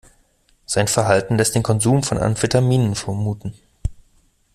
Sein Verhalten lässt den Konsum von Amphetaminen vermuten.